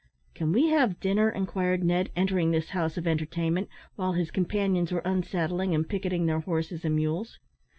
"Can we have dinner!" inquired Ned, entering this house of entertainment, while his companions were unsaddling and picketing their horses and mules.